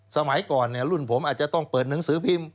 สมัยก่อนรุ่นผมอาจจะต้องเปิดหนังสือพิมพ์